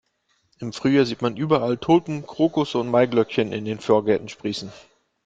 Im Frühjahr sieht man überall Tulpen, Krokusse und Maiglöckchen in den Vorgärten sprießen.